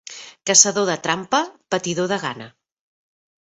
Caçador de trampa, patidor de gana.